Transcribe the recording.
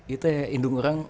itu ya indung orang